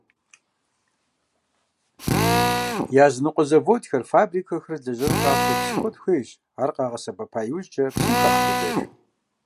Языныкъуэ заводхэр, фабрикэхэр лэжьэн папщӀэ, псы куэд хуейщ, ар къагъэсэбэпа иужькӀэ псыхэм хагъэлъэдэж.